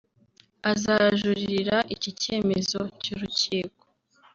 azajuririra iki cyemezo cy’urukiko